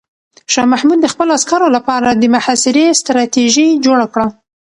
شاه محمود د خپلو عسکرو لپاره د محاصرې ستراتیژي جوړه کړه.